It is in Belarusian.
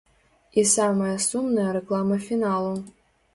І самая сумная рэклама фіналу.